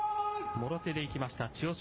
もろ手でいきました、千代翔